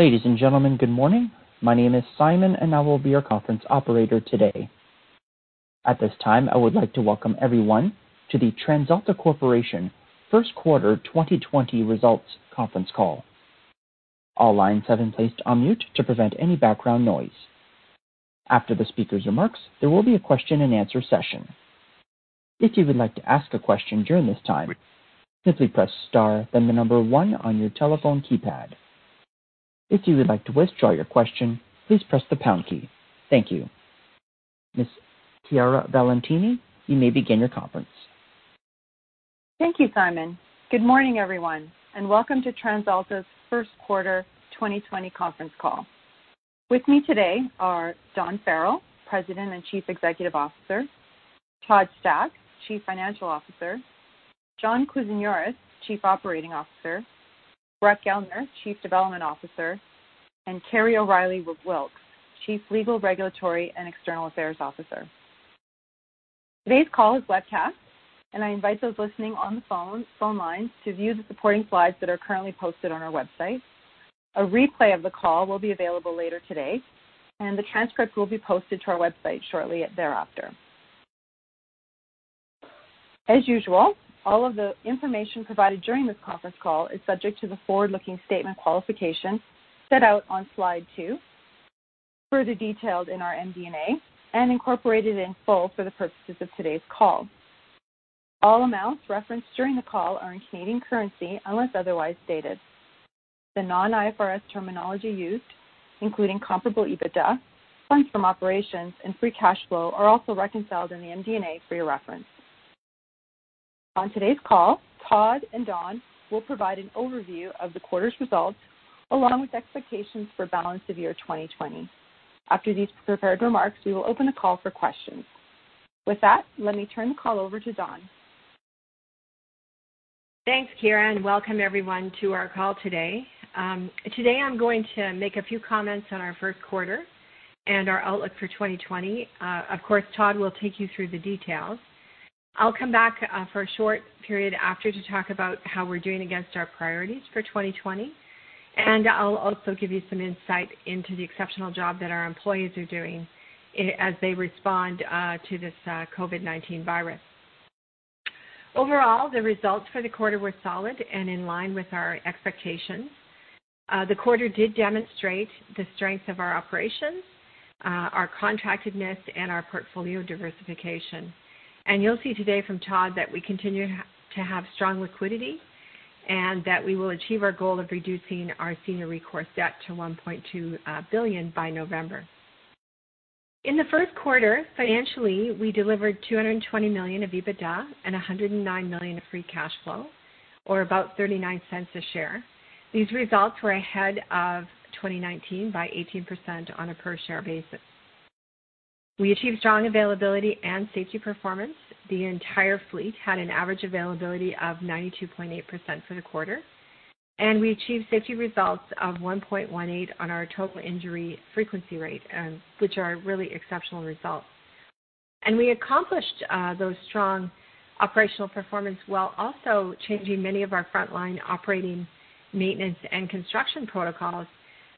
Ladies and gentlemen, good morning. My name is Simon. I will be your conference operator today. At this time, I would like to welcome everyone to the TransAlta Corporation First Quarter 2020 Results Conference Call. All lines have been placed on mute to prevent any background noise. After the speaker's remarks, there will be a question-and-answer session. If you would like to ask a question during this time, simply press star, then the number one on your telephone keypad. If you would like to withdraw your question, please press the pound key. Thank you. Ms. Chiara Valentini, you may begin your conference. Thank you, Simon. Good morning, everyone, and welcome to TransAlta's First Quarter 2020 Conference Call. With me today are Dawn Farrell, President and Chief Executive Officer, Todd Stack, Chief Financial Officer, John Kousinioris, Chief Operating Officer, Brett Gellner, Chief Development Officer, and Kerry O'Reilly Wilks, Chief Legal, Regulatory, and External Affairs Officer. Today's call is webcast, and I invite those listening on the phone lines to view the supporting slides that are currently posted on our website. A replay of the call will be available later today, and the transcript will be posted to our website shortly thereafter. As usual, all of the information provided during this conference call is subject to the forward-looking statement qualification set out on slide two, further detailed in our MD&A, and incorporated in full for the purposes of today's call. All amounts referenced during the call are in Canadian currency, unless otherwise stated. The non-IFRS terminology used, including comparable EBITDA, funds from operations, and free cash flow, are also reconciled in the MD&A for your reference. On today's call, Todd and Dawn will provide an overview of the quarter's results, along with expectations for balance of year 2020. After these prepared remarks, we will open the call for questions. With that, let me turn the call over to Dawn. Thanks, Chiara, and welcome everyone to our call today. Today, I'm going to make a few comments on our first quarter and our outlook for 2020. Of course, Todd will take you through the details. I'll come back for a short period after to talk about how we're doing against our priorities for 2020, and I'll also give you some insight into the exceptional job that our employees are doing as they respond to this COVID-19 virus. Overall, the results for the quarter were solid and in line with our expectations. The quarter did demonstrate the strengths of our operations, our contractedness and our portfolio diversification. You'll see today from Todd that we continue to have strong liquidity, and that we will achieve our goal of reducing our senior recourse debt to 1.2 billion by November. In the first quarter, financially, we delivered 220 million of EBITDA and 109 million of free cash flow, or about 0.39 a share. These results were ahead of 2019 by 18% on a per-share basis. We achieved strong availability and safety performance. The entire fleet had an average availability of 92.8% for the quarter, we achieved safety results of 1.18 on our total injury frequency rate, which are really exceptional results. We accomplished those strong operational performance while also changing many of our frontline operating maintenance and construction protocols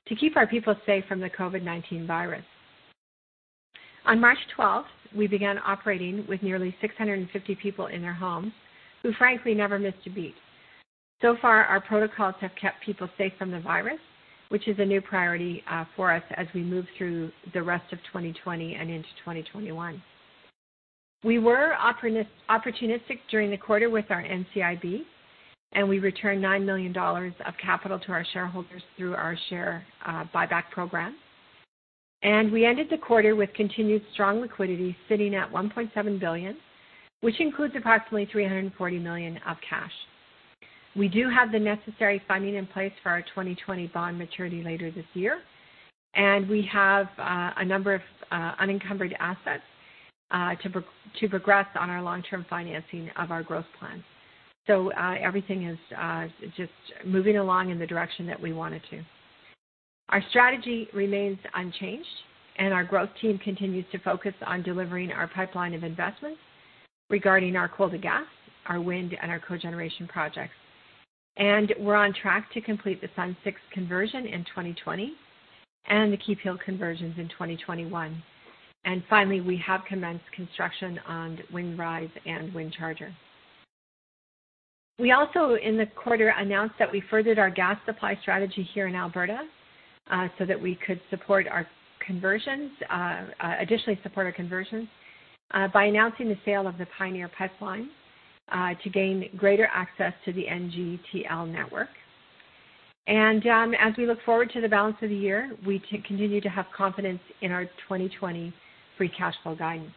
to keep our people safe from the COVID-19 virus. On March 12th, we began operating with nearly 650 people in their homes who, frankly, never missed a beat. So far, our protocols have kept people safe from the virus, which is a new priority for us as we move through the rest of 2020 and into 2021. We were opportunistic during the quarter with our NCIB. We returned 9 million dollars of capital to our shareholders through our share buyback program. We ended the quarter with continued strong liquidity sitting at 1.7 billion, which includes approximately 340 million of cash. We do have the necessary funding in place for our 2020 bond maturity later this year. We have a number of unencumbered assets to progress on our long-term financing of our growth plans. Everything is just moving along in the direction that we want it to. Our strategy remains unchanged. Our growth team continues to focus on delivering our pipeline of investments regarding our coal to gas, our wind and our cogeneration projects. We're on track to complete the Sun 6 conversion in 2020 and the Keephills conversions in 2021. Finally, we have commenced construction on Windrise and Windcharger. We also, in the quarter, announced that we furthered our gas supply strategy here in Alberta so that we could additionally support our conversions by announcing the sale of the Pioneer Pipeline to gain greater access to the NGTL network. As we look forward to the balance of the year, we continue to have confidence in our 2020 free cash flow guidance.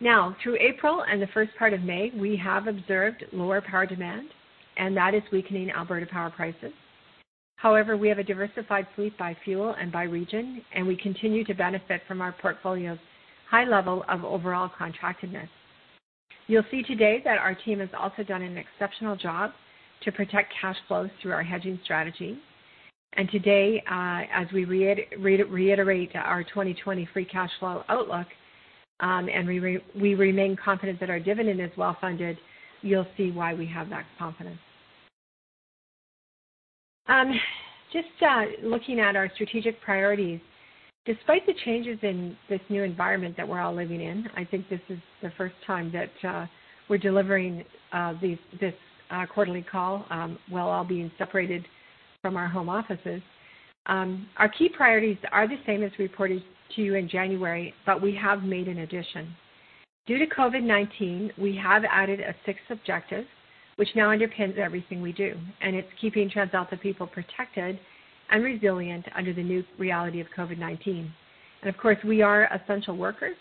Now, through April and the first part of May, we have observed lower power demand, and that is weakening Alberta power prices. However, we have a diversified fleet by fuel and by region, and we continue to benefit from our portfolio's high level of overall contractedness. You'll see today that our team has also done an exceptional job to protect cash flows through our hedging strategy. Today, as we reiterate our 2020 free cash flow outlook, we remain confident that our dividend is well-funded, you'll see why we have that confidence. Just looking at our strategic priorities, despite the changes in this new environment that we're all living in, I think this is the first time that we're delivering this quarterly call while all being separated from our home offices. Our key priorities are the same as we reported to you in January, but we have made an addition. Due to COVID-19, we have added a sixth objective, which now underpins everything we do, and it's keeping TransAlta people protected and resilient under the new reality of COVID-19. Of course, we are essential workers,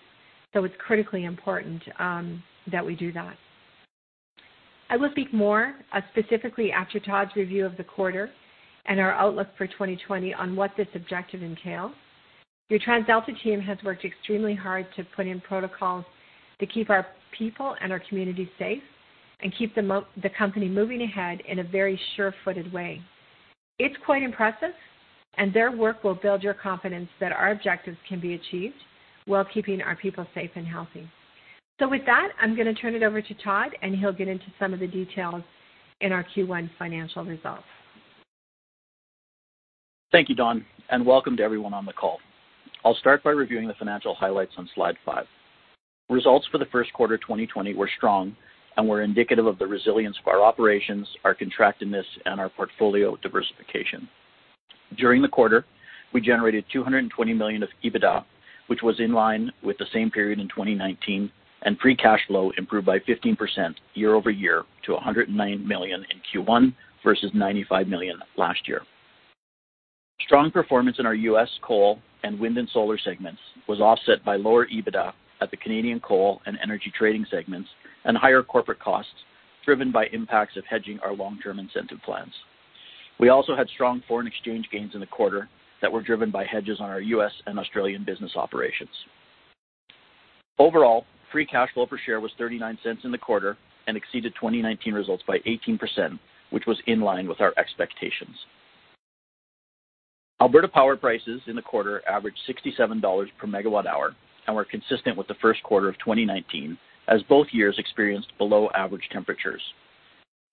so it's critically important that we do that. I will speak more, specifically after Todd's review of the quarter and our outlook for 2020 on what this objective entails. Your TransAlta team has worked extremely hard to put in protocols to keep our people and our communities safe and keep the company moving ahead in a very sure-footed way. It's quite impressive, and their work will build your confidence that our objectives can be achieved while keeping our people safe and healthy. With that, I'm going to turn it over to Todd, and he'll get into some of the details in our Q1 financial results. Thank you, Dawn. Welcome to everyone on the call. I'll start by reviewing the financial highlights on slide five. Results for the first quarter 2020 were strong and were indicative of the resilience of our operations, our contractedness, and our portfolio diversification. During the quarter, we generated 220 million of EBITDA, which was in line with the same period in 2019. Free cash flow improved by 15% year-over-year to 109 million in Q1 versus 95 million last year. Strong performance in our U.S. coal and wind and solar segments was offset by lower EBITDA at the Canadian coal and energy trading segments and higher corporate costs, driven by impacts of hedging our long-term incentive plans. We also had strong foreign exchange gains in the quarter that were driven by hedges on our U.S. and Australian business operations. Overall, free cash flow per share was 0.39 in the quarter and exceeded 2019 results by 18%, which was in line with our expectations. Alberta power prices in the quarter averaged 67 dollars MWh and were consistent with the first quarter of 2019, as both years experienced below-average temperatures.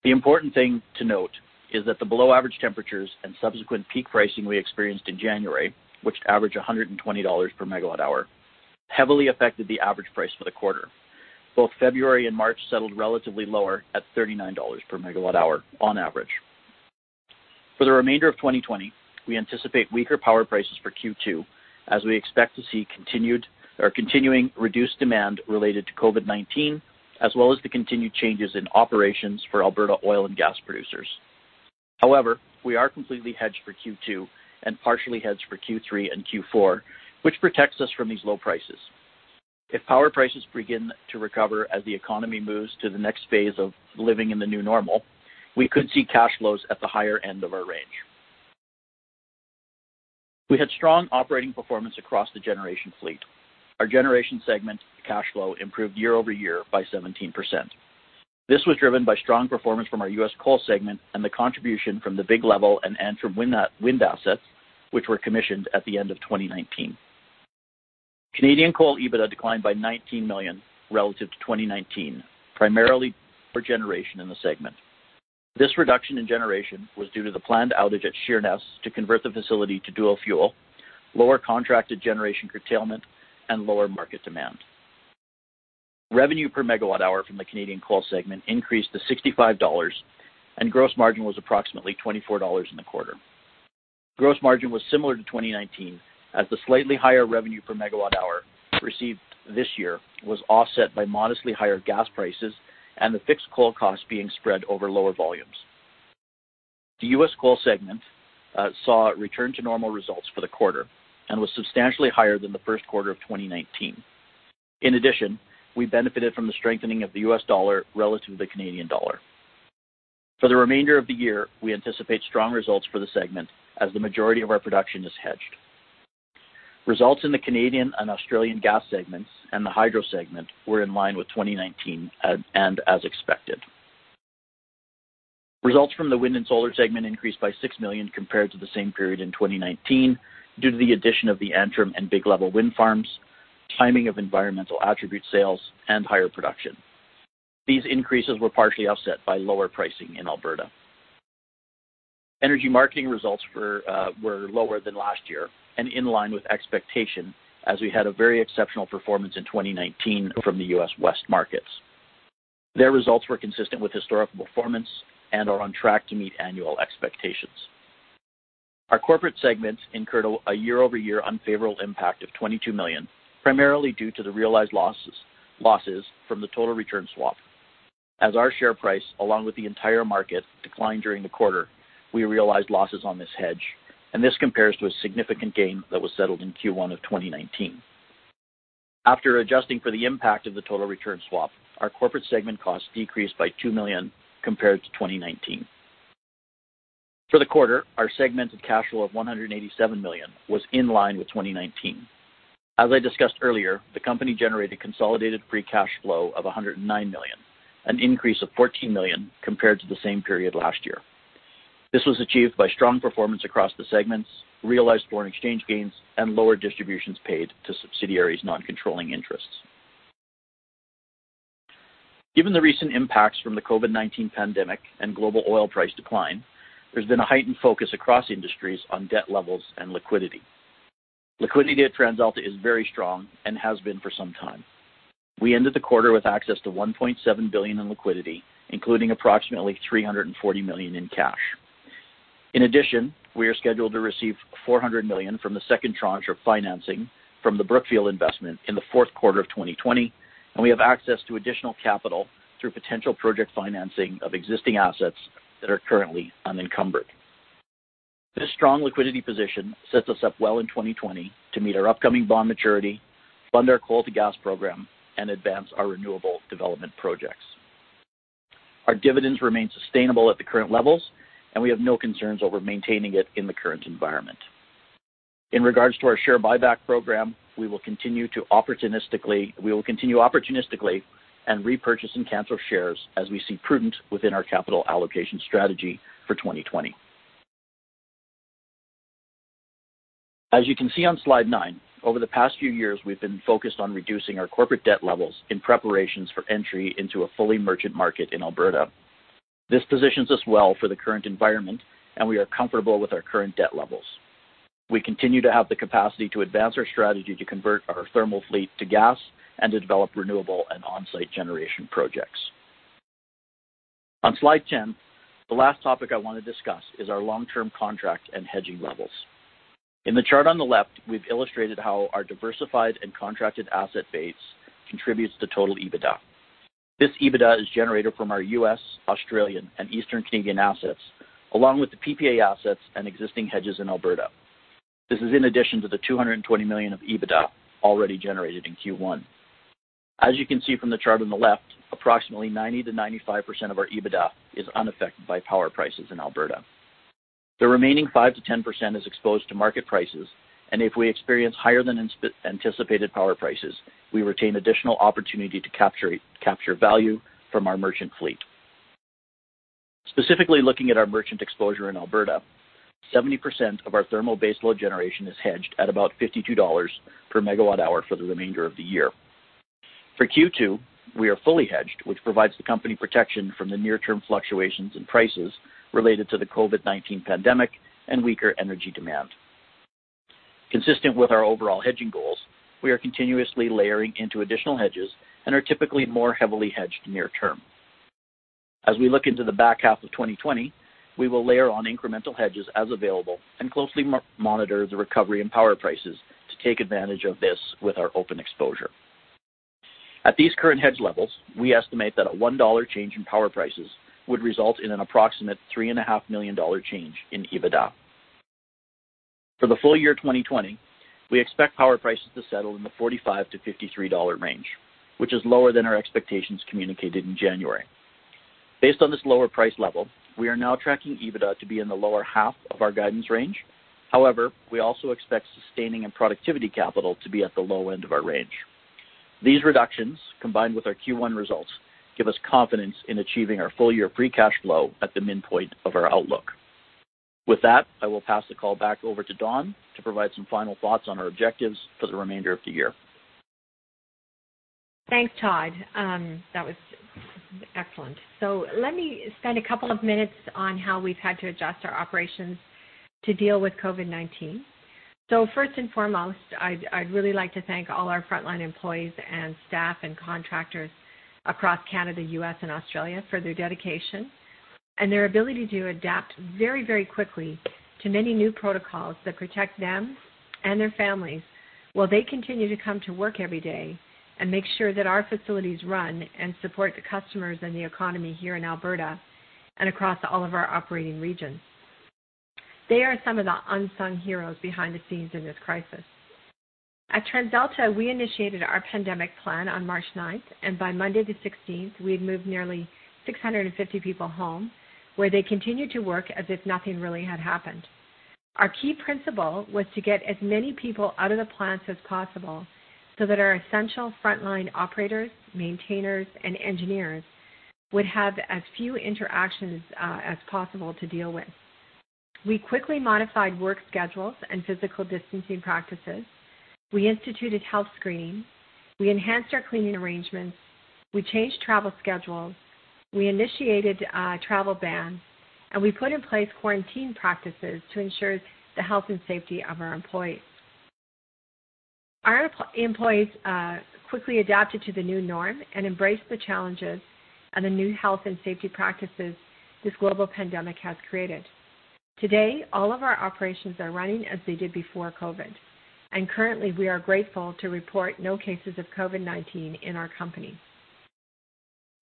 The important thing to note is that the below-average temperatures and subsequent peak pricing we experienced in January, which averaged 120 dollars per megawatt hour, heavily affected the average price for the quarter. Both February and March settled relatively lower at 39 dollars MWh on average. For the remainder of 2020, we anticipate weaker power prices for Q2 as we expect to see continuing reduced demand related to COVID-19, as well as the continued changes in operations for Alberta oil and gas producers. However, we are completely hedged for Q2 and partially hedged for Q3 and Q4, which protects us from these low prices. If power prices begin to recover as the economy moves to the next phase of living in the new normal, we could see cash flows at the higher end of our range. We had strong operating performance across the generation fleet. Our generation segment cash flow improved year-over-year by 17%. This was driven by strong performance from our U.S. coal segment and the contribution from the Big Level and Antrim Wind assets, which were commissioned at the end of 2019. Canadian coal EBITDA declined by 19 million relative to 2019, primarily for generation in the segment. This reduction in generation was due to the planned outage at Sheerness to convert the facility to dual fuel, lower contracted generation curtailment, and lower market demand. Revenue per megawatt hour from the Canadian coal segment increased to 65 dollars, and gross margin was approximately 24 dollars in the quarter. Gross margin was similar to 2019, as the slightly higher revenue per megawatt hour received this year was offset by modestly higher gas prices and the fixed coal cost being spread over lower volumes. The U.S. coal segment saw a return to normal results for the quarter and was substantially higher than the first quarter of 2019. In addition, we benefited from the strengthening of the U.S. dollar relative to the Canadian dollar. For the remainder of the year, we anticipate strong results for the segment as the majority of our production is hedged. Results in the Canadian and Australian gas segments and the hydro segment were in line with 2019 and as expected. Results from the wind and solar segment increased by 6 million compared to the same period in 2019 due to the addition of the Antrim and Big Level wind farms, timing of environmental attribute sales, and higher production. These increases were partially offset by lower pricing in Alberta. Energy marketing results were lower than last year and in line with expectation, as we had a very exceptional performance in 2019 from the U.S. West markets. Their results were consistent with historical performance and are on track to meet annual expectations. Our corporate segments incurred a year-over-year unfavorable impact of 22 million, primarily due to the realized losses from the total return swap. As our share price, along with the entire market, declined during the quarter, we realized losses on this hedge, and this compares to a significant gain that was settled in Q1 2019. After adjusting for the impact of the total return swap, our corporate segment costs decreased by 2 million compared to 2019. For the quarter, our segmented cash flow of 187 million was in line with 2019. As I discussed earlier, the company generated consolidated free cash flow of 109 million, an increase of 14 million compared to the same period last year. This was achieved by strong performance across the segments, realized foreign exchange gains, and lower distributions paid to subsidiaries' non-controlling interests. Given the recent impacts from the COVID-19 pandemic and global oil price decline, there's been a heightened focus across industries on debt levels and liquidity. Liquidity at TransAlta is very strong and has been for some time. We ended the quarter with access to CAD 1.7 billion in liquidity, including approximately CAD 340 million in cash. In addition, we are scheduled to receive CAD 400 million from the second tranche of financing from the Brookfield investment in the fourth quarter of 2020, and we have access to additional capital through potential project financing of existing assets that are currently unencumbered. This strong liquidity position sets us up well in 2020 to meet our upcoming bond maturity, fund our coal to gas program, and advance our renewable development projects. Our dividends remain sustainable at the current levels, and we have no concerns over maintaining it in the current environment. In regards to our share buyback program, we will continue opportunistically and repurchase and cancel shares as we see prudent within our capital allocation strategy for 2020. As you can see on slide nine, over the past few years, we've been focused on reducing our corporate debt levels in preparations for entry into a fully merchant market in Alberta. This positions us well for the current environment, and we are comfortable with our current debt levels. We continue to have the capacity to advance our strategy to convert our thermal fleet to gas and to develop renewable and onsite generation projects. On slide 10, the last topic I want to discuss is our long-term contract and hedging levels. In the chart on the left, we've illustrated how our diversified and contracted asset base contributes to total EBITDA. This EBITDA is generated from our U.S., Australian, and Eastern Canadian assets, along with the PPA assets and existing hedges in Alberta. This is in addition to the 220 million of EBITDA already generated in Q1. As you can see from the chart on the left, approximately 90%-95% of our EBITDA is unaffected by power prices in Alberta. The remaining 5%-10% is exposed to market prices. If we experience higher than anticipated power prices, we retain additional opportunity to capture value from our merchant fleet. Specifically looking at our merchant exposure in Alberta, 70% of our thermal base load generation is hedged at about 52 dollars MWh for the remainder of the year. For Q2, we are fully hedged, which provides the company protection from the near-term fluctuations in prices related to the COVID-19 pandemic and weaker energy demand. Consistent with our overall hedging goals, we are continuously layering into additional hedges and are typically more heavily hedged near-term. As we look into the back half of 2020, we will layer on incremental hedges as available and closely monitor the recovery in power prices to take advantage of this with our open exposure. At these current hedge levels, we estimate that a 1 dollar change in power prices would result in an approximate 3.5 million dollar change in EBITDA. For the full year 2020, we expect power prices to settle in the 45-53 dollar range, which is lower than our expectations communicated in January. Based on this lower price level, we are now tracking EBITDA to be in the lower half of our guidance range. We also expect sustaining and productivity capital to be at the low end of our range. These reductions, combined with our Q1 results, give us confidence in achieving our full-year free cash flow at the midpoint of our outlook. I will pass the call back over to Dawn to provide some final thoughts on our objectives for the remainder of the year. Thanks, Todd. That was excellent. Let me spend a couple of minutes on how we've had to adjust our operations to deal with COVID-19. First and foremost, I'd really like to thank all our frontline employees and staff and contractors across Canada, U.S., and Australia for their dedication and their ability to adapt very quickly to many new protocols that protect them and their families while they continue to come to work every day and make sure that our facilities run and support the customers and the economy here in Alberta and across all of our operating regions. They are some of the unsung heroes behind the scenes in this crisis. At TransAlta, we initiated our pandemic plan on March 9th, and by Monday the 16th, we had moved nearly 650 people home, where they continued to work as if nothing really had happened. Our key principle was to get as many people out of the plants as possible so that our essential frontline operators, maintainers, and engineers would have as few interactions as possible to deal with. We quickly modified work schedules and physical distancing practices. We instituted health screening. We enhanced our cleaning arrangements. We changed travel schedules. We initiated travel bans, and we put in place quarantine practices to ensure the health and safety of our employees. Our employees quickly adapted to the new norm and embraced the challenges and the new health and safety practices this global pandemic has created. Today, all of our operations are running as they did before COVID, and currently, we are grateful to report no cases of COVID-19 in our company.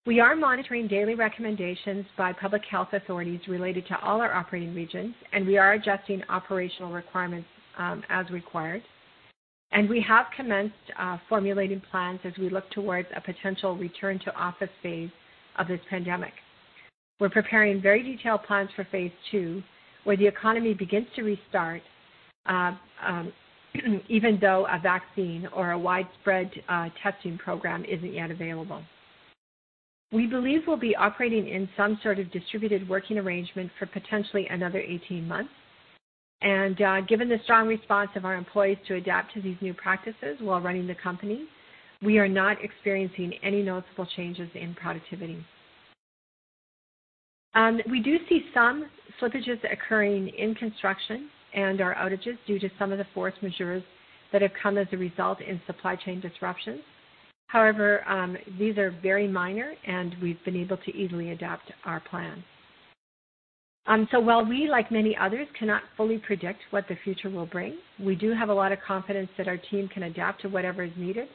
We are monitoring daily recommendations by public health authorities related to all our operating regions, and we are adjusting operational requirements as required. We have commenced formulating plans as we look towards a potential return to office phase of this pandemic. We're preparing very detailed plans for phase II where the economy begins to restart, even though a vaccine or a widespread testing program isn't yet available. We believe we'll be operating in some sort of distributed working arrangement for potentially another 18 months. Given the strong response of our employees to adapt to these new practices while running the company, we are not experiencing any noticeable changes in productivity. We do see some slippages occurring in construction and our outages due to some of the force majeure that have come as a result in supply chain disruptions. However, these are very minor, and we've been able to easily adapt our plans. While we, like many others, cannot fully predict what the future will bring, we do have a lot of confidence that our team can adapt to whatever is needed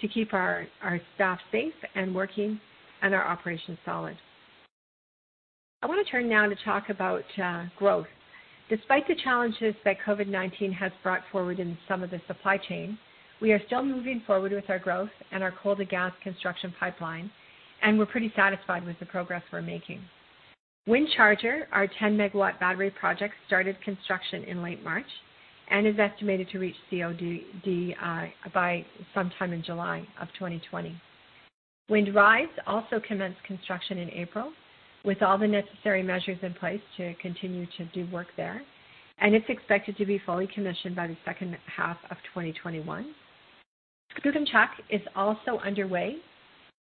to keep our staff safe and working and our operations solid. I want to turn now to talk about growth. Despite the challenges that COVID-19 has brought forward in some of the supply chain, we are still moving forward with our growth and our coal to gas construction pipeline, and we're pretty satisfied with the progress we're making. Windcharger, our 10 MW battery project, started construction in late March and is estimated to reach COD by sometime in July of 2020. Windrise also commenced construction in April, with all the necessary measures in place to continue to do work there, and it's expected to be fully commissioned by the second half of 2021. Skookumchuck is also underway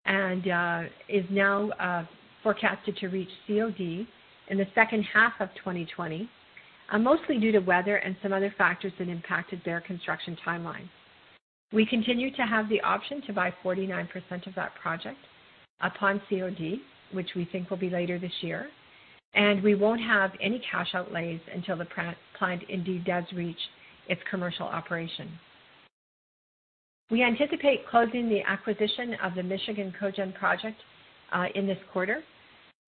and is now forecasted to reach COD in the second half of 2020, mostly due to weather and some other factors that impacted their construction timeline. We continue to have the option to buy 49% of that project upon COD, which we think will be later this year, and we won't have any cash outlays until the plant indeed does reach its commercial operation. We anticipate closing the acquisition of the Michigan Cogen project in this quarter.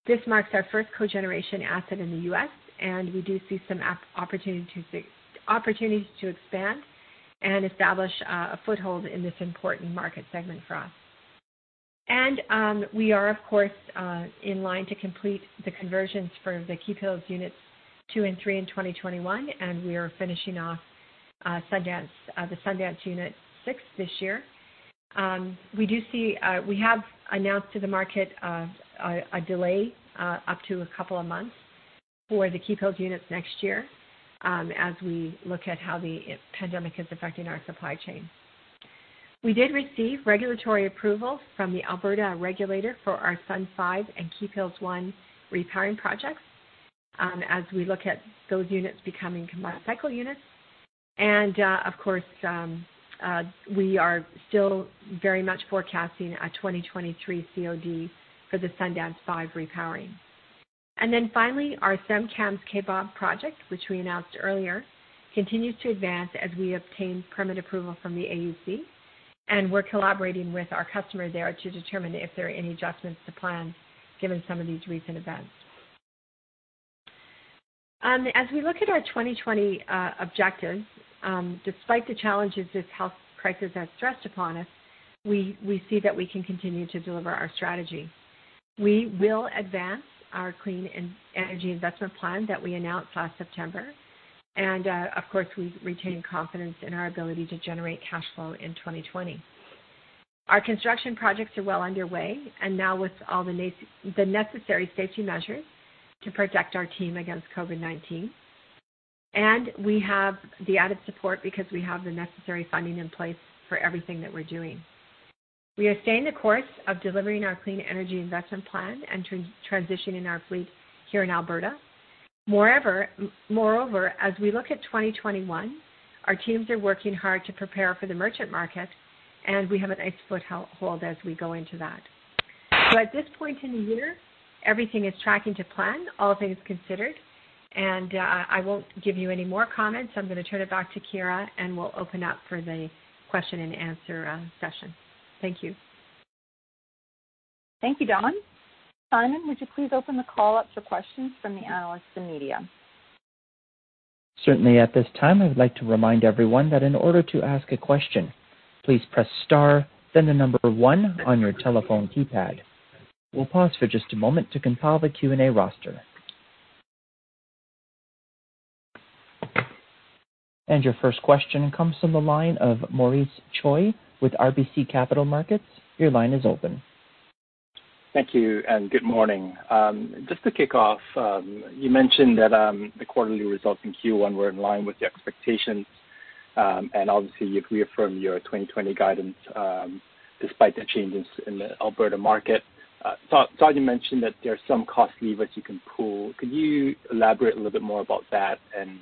This marks our first cogeneration asset in the U.S., and we do see some opportunities to expand and establish a foothold in this important market segment for us. We are, of course, in line to complete the conversions for the Keephills units two and three in 2021. We are finishing off the Sundance unit six this year. We have announced to the market a delay of up to a couple of months for the Keephills units next year as we look at how the pandemic is affecting our supply chain. We did receive regulatory approval from the Alberta regulator for our Sundance 5 and Keephills 1 repowering projects as we look at those units becoming combined cycle units. Of course, we are still very much forecasting a 2023 COD for the Sundance 5 repowering. Then finally, our SemCAMS Kaybob project, which we announced earlier, continues to advance as we obtain permit approval from the AUC, and we're collaborating with our customer there to determine if there are any adjustments to plans given some of these recent events. As we look at our 2020 objectives, despite the challenges this health crisis has stressed upon us, we see that we can continue to deliver our strategy. We will advance our clean energy investment plan that we announced last September. Of course, we retain confidence in our ability to generate cash flow in 2020. Our construction projects are well underway and now with all the necessary safety measures to protect our team against COVID-19. We have the added support because we have the necessary funding in place for everything that we're doing. We are staying the course of delivering our clean energy investment plan and transitioning our fleet here in Alberta. As we look at 2021, our teams are working hard to prepare for the merchant market, and we have a nice foothold as we go into that. At this point in the year, everything is tracking to plan, all things considered. I won't give you any more comments. I'm going to turn it back to Chiara, and we'll open up for the question-and-answer session. Thank you. Thank you, Dawn. Simon, would you please open the call up for questions from the analysts and media? Certainly. At this time, I would like to remind everyone that in order to ask a question, please press star, then the number one on your telephone keypad. We'll pause for just a moment to compile the Q&A roster. Your first question comes from the line of Maurice Choy with RBC Capital Markets. Your line is open. Thank you. Good morning. Just to kick off, you mentioned that the quarterly results in Q1 were in line with the expectations. Obviously, you've reaffirmed your 2020 guidance despite the changes in the Alberta market. Todd, you mentioned that there are some cost levers you can pull. Could you elaborate a little bit more about that and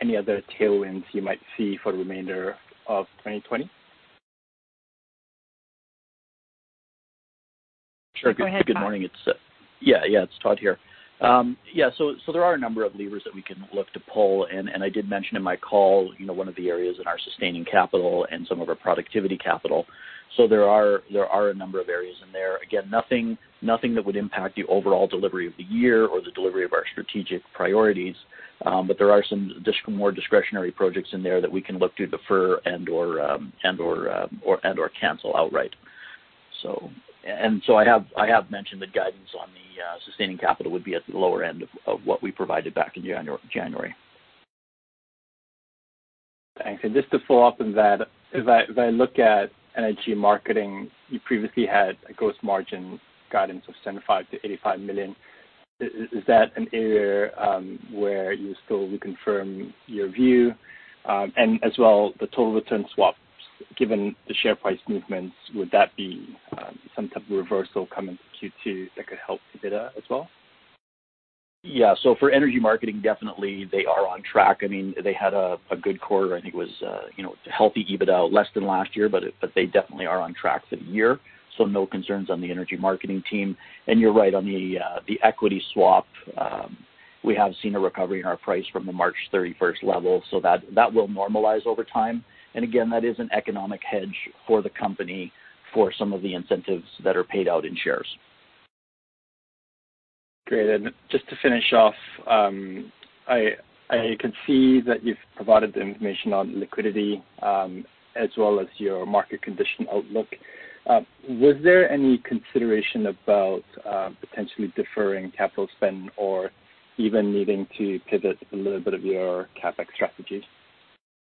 any other tailwinds you might see for the remainder of 2020? Go ahead, Todd. Good morning. Yeah, it's Todd here. Yeah, there are a number of levers that we can look to pull, and I did mention in my call, one of the areas in our sustaining capital and some of our productivity capital. There are a number of areas in there. Again, nothing that would impact the overall delivery of the year or the delivery of our strategic priorities. But there are some more discretionary projects in there that we can look to defer and/or cancel outright. I have mentioned that guidance on the sustaining capital would be at the lower end of what we provided back in January. Thanks. Just to follow up on that, if I look at energy marketing, you previously had a gross margin guidance of 75 million-85 million. Is that an area where you still reconfirm your view? As well, the total return swaps, given the share price movements, would that be some type of reversal coming to Q2 that could help EBITDA as well? Yeah. For energy marketing, definitely they are on track. They had a good quarter. I think it was a healthy EBITDA, less than last year, but they definitely are on track for the year. No concerns on the energy marketing team. You're right on the equity swap. We have seen a recovery in our price from the March 31st level. That will normalize over time. Again, that is an economic hedge for the company for some of the incentives that are paid out in shares. Great. Just to finish off, I can see that you've provided the information on liquidity, as well as your market condition outlook. Was there any consideration about potentially deferring capital spend or even needing to pivot a little bit of your CapEx strategies?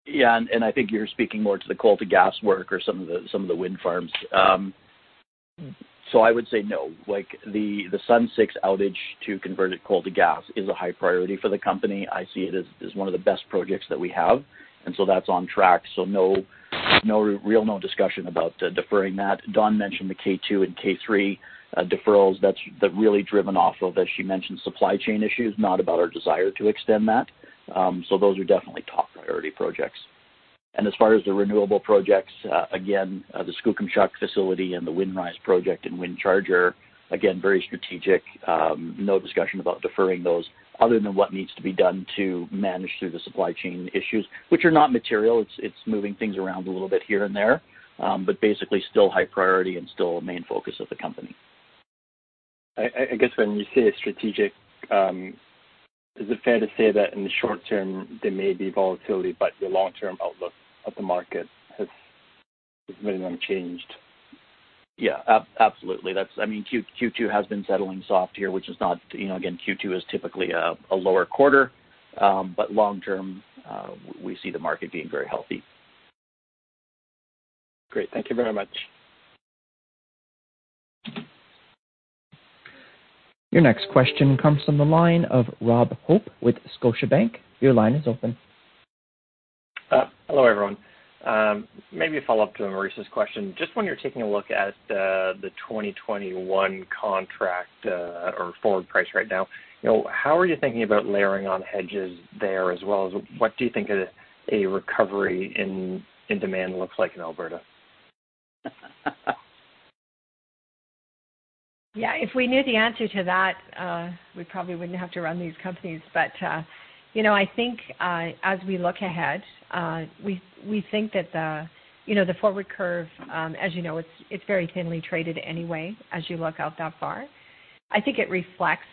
Yeah, I think you're speaking more to the coal-to-gas work or some of the wind farms. I would say no. The Sun-6 outage to convert it coal-to-gas is a high priority for the company. I see it as one of the best projects that we have. That's on track, so no discussion about deferring that. Dawn mentioned the K2 and K3 deferrals. That's really driven off of, as she mentioned, supply chain issues, not about our desire to extend that. Those are definitely top priority projects. As far as the renewable projects, again, the Skookumchuck facility and the Windrise project and Windcharger, again, very strategic. No discussion about deferring those other than what needs to be done to manage through the supply chain issues, which are not material. It's moving things around a little bit here and there. Basically still high priority and still a main focus of the company. I guess when you say strategic, is it fair to say that in the short term there may be volatility, but your long-term outlook of the market has remained unchanged? Yeah, absolutely. Q2 has been settling soft here. Again, Q2 is typically a lower quarter. Long term, we see the market being very healthy. Great. Thank you very much. Your next question comes from the line of Rob Hope with Scotiabank. Your line is open. Hello, everyone. Maybe a follow-up to Maurice's question. Just when you're taking a look at the 2021 contract or forward price right now, how are you thinking about layering on hedges there, as well as what do you think a recovery in demand looks like in Alberta? Yeah, if we knew the answer to that, we probably wouldn't have to run these companies. I think, as we look ahead, we think that the forward curve, as you know, it's very thinly traded anyway as you look out that far. I think it reflects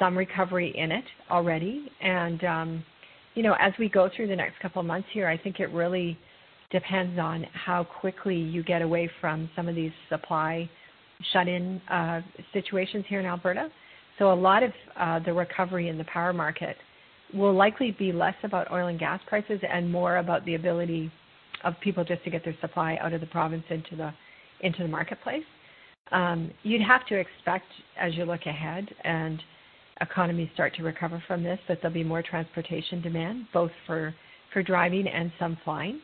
some recovery in it already. As we go through the next couple of months here, I think it really depends on how quickly you get away from some of these supply shut-in situations here in Alberta. A lot of the recovery in the power market will likely be less about oil and gas prices and more about the ability of people just to get their supply out of the province into the marketplace. You'd have to expect, as you look ahead and economies start to recover from this, that there'll be more transportation demand, both for driving and some flying.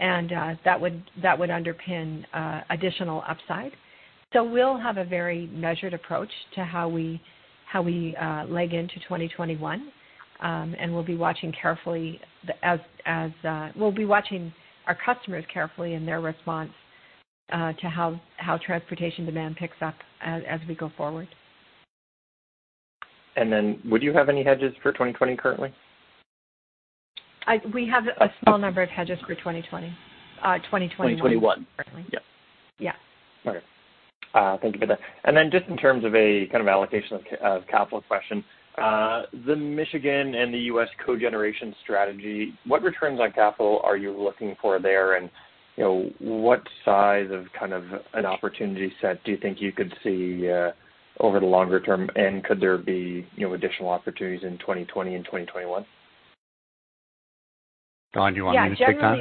That would underpin additional upside. We'll have a very measured approach to how we leg into 2021. We'll be watching our customers carefully and their response to how transportation demand picks up as we go forward. Would you have any hedges for 2020 currently? We have a small number of hedges for 2021 currently. 2021. Yeah. Okay. Thank you for that. Just in terms of a kind of allocation of capital question, the Michigan and the U.S. cogeneration strategy, what returns on capital are you looking for there? What size of kind of an opportunity set do you think you could see over the longer term, and could there be additional opportunities in 2020 and 2021? Dawn, do you want me to take that?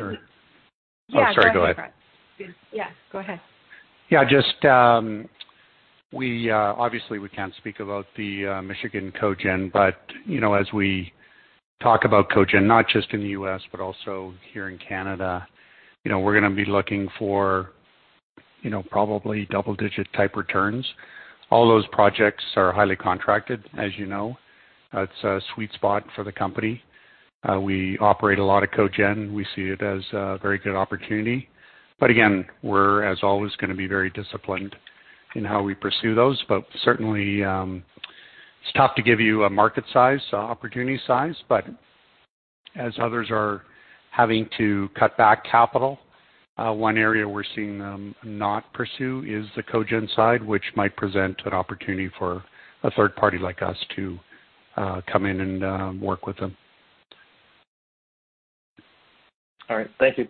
Yeah. Oh, sorry. Go ahead. Yeah. Go ahead. Yeah. Obviously, we can't speak about the Michigan Cogeneration, but as we talk about cogen, not just in the U.S., but also here in Canada, we're going to be looking for probably double-digit type returns. All those projects are highly contracted, as you know. It's a sweet spot for the company. We operate a lot of cogen. We see it as a very good opportunity. Again, we're, as always, going to be very disciplined in how we pursue those. Certainly, it's tough to give you a market size, opportunity size. Others are having to cut back capital, one area we're seeing them not pursue is the co-gen side, which might present an opportunity for a third party like us to come in and work with them. All right. Thank you.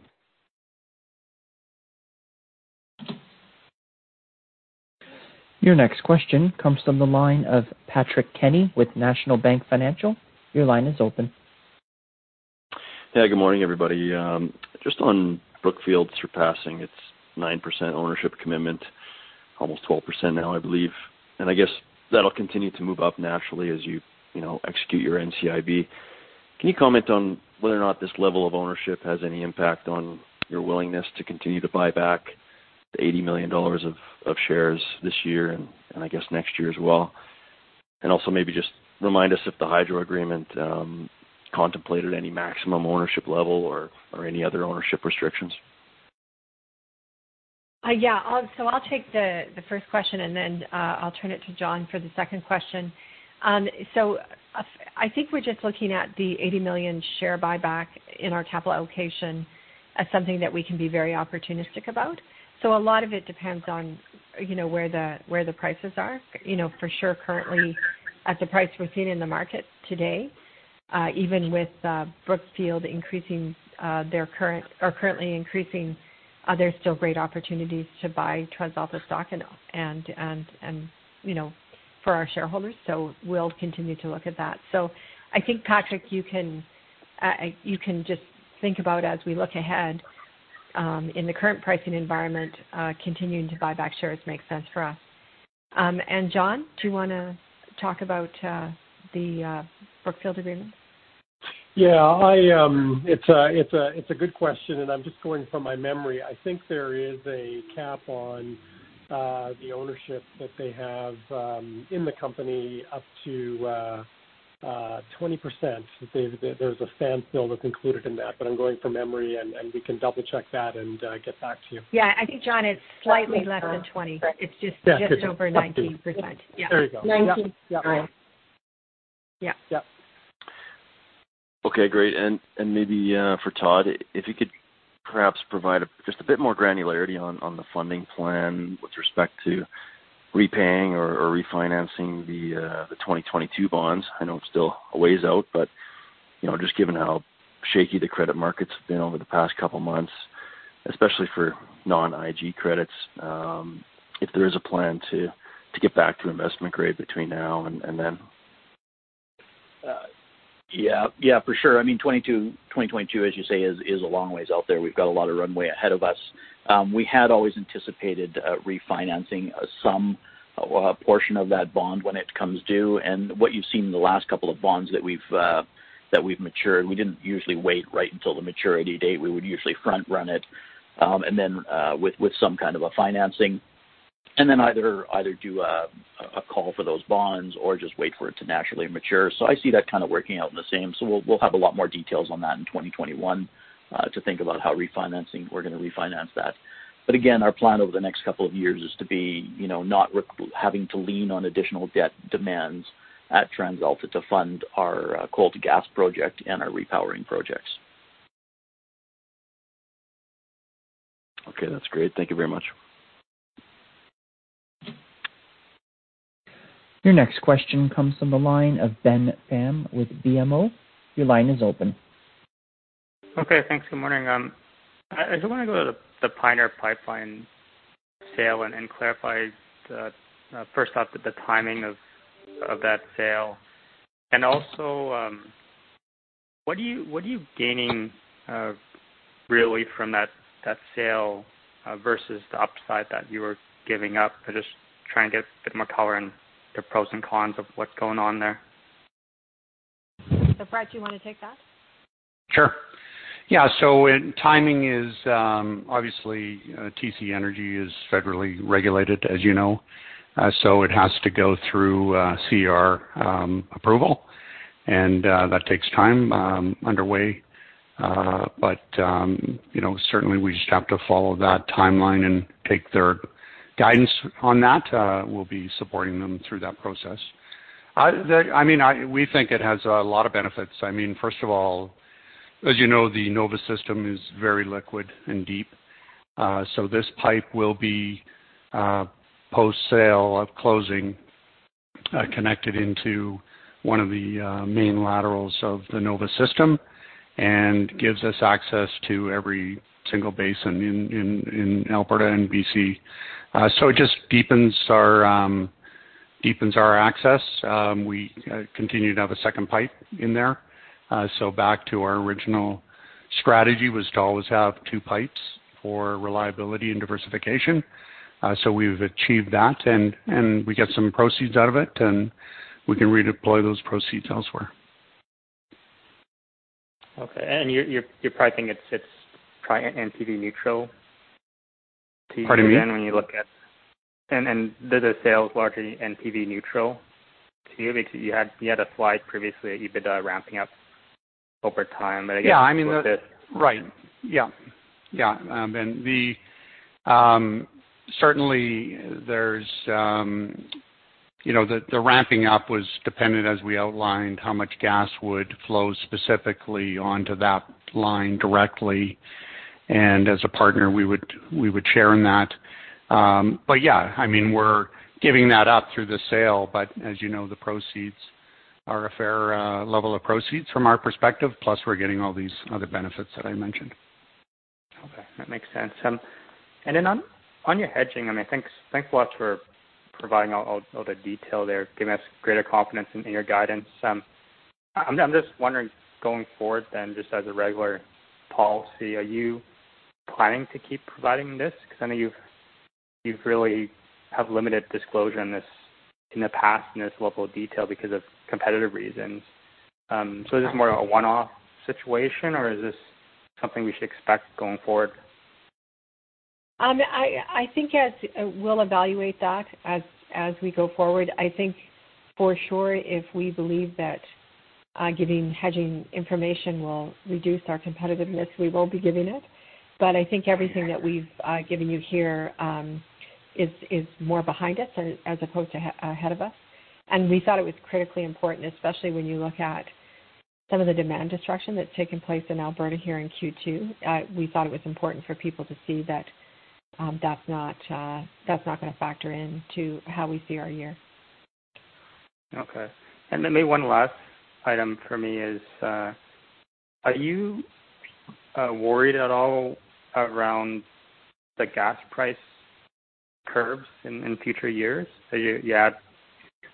Your next question comes from the line of Patrick Kenny with National Bank Financial. Your line is open. Yeah. Good morning, everybody. Just on Brookfield surpassing its 9% ownership commitment, almost 12% now, I believe. I guess that'll continue to move up naturally as you execute your NCIB. Can you comment on whether or not this level of ownership has any impact on your willingness to continue to buy back the 80 million dollars of shares this year and I guess, next year as well? Also maybe just remind us if the hydro agreement contemplated any maximum ownership level or any other ownership restrictions. Yeah. I'll take the first question and then I'll turn it to John for the second question. I think we're just looking at the 80 million share buyback in our capital allocation as something that we can be very opportunistic about. A lot of it depends on where the prices are. For sure, currently at the price we're seeing in the market today, even with Brookfield currently increasing, there's still great opportunities to buy TransAlta stock for our shareholders. We'll continue to look at that. I think, Patrick, you can just think about as we look ahead, in the current pricing environment, continuing to buy back shares makes sense for us. John, do you want to talk about the Brookfield agreement? Yeah. It's a good question, and I'm just going from my memory. I think there is a cap on the ownership that they have in the company up to 20%. There's a standstill that's included in that, but I'm going from memory, and we can double-check that and get back to you. Yeah. I think, John, it's slightly less than 20. It's just. Yeah just over 19%. Yeah. There you go. Yep. 19. Yep. Yeah. Yep. Okay, great. Maybe for Todd, if you could perhaps provide just a bit more granularity on the funding plan with respect to repaying or refinancing the 2022 bonds. I know it's still a ways out, but just given how shaky the credit market's been over the past couple of months, especially for non-IG credits, if there is a plan to get back to investment grade between now and then. Yeah, for sure. I mean, 2022, as you say, is a long ways out there. We've got a lot of runway ahead of us. We had always anticipated refinancing some portion of that bond when it comes due. What you've seen in the last couple of bonds that we've matured, we didn't usually wait right until the maturity date. We would usually front-run it with some kind of a financing, then either do a call for those bonds or just wait for it to naturally mature. I see that kind of working out in the same. We'll have a lot more details on that in 2021 to think about how we're going to refinance that. Again, our plan over the next couple of years is to be not having to lean on additional debt demands at TransAlta to fund our coal to gas project and our repowering projects. Okay, that's great. Thank you very much. Your next question comes from the line of Ben Pham with BMO. Your line is open. Okay, thanks. Good morning. I just want to go to the Pioneer Pipeline sale and clarify first off, the timing of that sale. Also, what are you gaining really from that sale versus the upside that you were giving up? I'm just trying to get a bit more color on the pros and cons of what's going on there. Brett, do you want to take that? Sure. Yeah. Timing is obviously, TC Energy is federally regulated, as you know. It has to go through CER approval, and that takes time underway. Certainly, we just have to follow that timeline and take their guidance on that. We'll be supporting them through that process. We think it has a lot of benefits. First of all, as you know, the Nova system is very liquid and deep. This pipe will be post-sale of closing, connected into one of the main laterals of the Nova system and gives us access to every single basin in Alberta and B.C. It just deepens our access. We continue to have a second pipe in there. Back to our original strategy was to always have two pipes for reliability and diversification. We've achieved that, and we get some proceeds out of it, and we can redeploy those proceeds elsewhere. Okay. You're probably thinking it's probably NPV neutral to you. Pardon me? The sale is largely NPV neutral to you? You had a slide previously, EBITDA ramping up over time. I guess. Yeah. Right. Yeah. Certainly, the ramping up was dependent, as we outlined, how much gas would flow specifically onto that line directly. As a partner, we would share in that. Yeah, we're giving that up through the sale. As you know, the proceeds are a fair level of proceeds from our perspective, plus we're getting all these other benefits that I mentioned. Okay, that makes sense. On your hedging, thanks a lot for providing all the detail there, giving us greater confidence in your guidance. I'm just wondering, going forward then, just as a regular policy, are you planning to keep providing this? Because I know you've really have limited disclosure on this in the past, in this level of detail because of competitive reasons. Is this more a one-off situation or is this something we should expect going forward? I think, yes, we'll evaluate that as we go forward. I think for sure if we believe that giving hedging information will reduce our competitiveness, we will be giving it. I think everything that we've given you here is more behind us as opposed to ahead of us. We thought it was critically important, especially when you look at some of the demand destruction that's taken place in Alberta here in Q2. We thought it was important for people to see that's not going to factor into how we see our year. Okay. Maybe one last item for me is, are you worried at all around the gas price curves in future years? You had